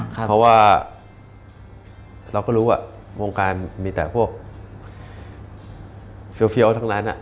เพราะว่าเราก็รู้ว่าวงการมีแต่พวกเฟี้ยวทั้งนั้น